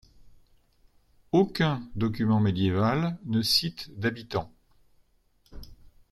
Aucun document médiéval ne cite d'habitants.